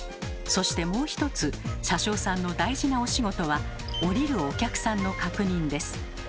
そしてもう一つ車掌さんの大事なお仕事は降りるお客さんの確認です。